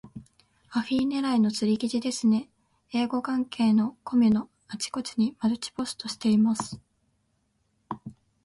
アフィ狙いの釣り記事ですね。英語関係のコミュのあちこちにマルチポストしています。